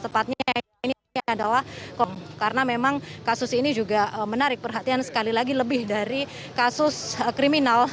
tepatnya ini adalah karena memang kasus ini juga menarik perhatian sekali lagi lebih dari kasus kriminal